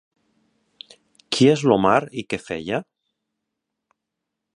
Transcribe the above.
Qui és l'Omar i què feia?